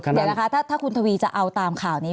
เดี๋ยวนะคะถ้าคุณทวีจะเอาตามข่าวนี้